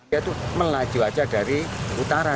dia itu melaju aja dari utara